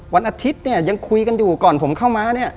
วันอาทิตย์เนี่ยยังคุยกันอยู่ก่อนผมเข้ามาเนี่ย